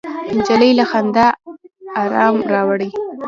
نجلۍ له خندا ارام راوړي.